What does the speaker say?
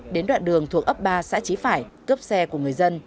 đến đoạn đường thuộc ấp ba xã trí phải cướp xe của người dân